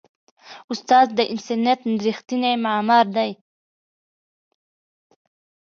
استاد د انسانیت ریښتینی معمار دی.